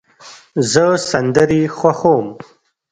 زه سندرې خوښوم.